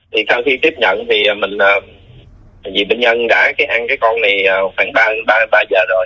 thì sau khi tiếp nhận thì mình vì bệnh nhân đã ăn cái con này khoảng ba giờ rồi